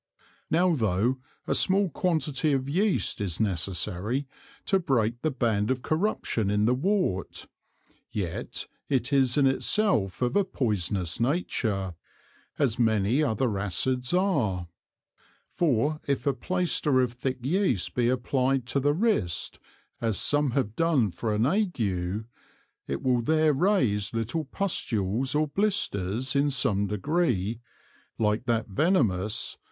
Now tho' a small quantity of Yeast is necessary to break the Band of Corruption in the Wort, yet it is in itself of a poisonous Nature, as many other Acids are; for if a Plaister of thick Yeast be applied to the Wrist as some have done for an Ague, it will there raise little Pustules or Blisters in some degree like that Venomous!